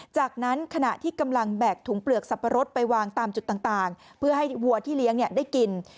จากนั้นขณะที่กำลังแบกถุงเปลือกสับปะรดไปวางตามจุดต่างเพื่อให้วัวที่เลี้ยงได้กิน